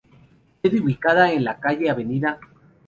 Sede ubicada en calle Av.